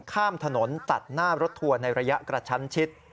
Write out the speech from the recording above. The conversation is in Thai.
ข้ามถนนตัดหน้ารถทัวร์ในระยะกระชั้นชิด